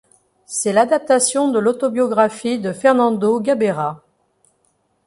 C'est l'adaptation de l'autobiographie de Fernando Gabeira.